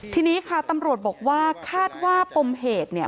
ทีนี้ค่ะตำรวจบอกว่าคาดว่าปมเหตุเนี่ย